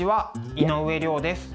井上涼です。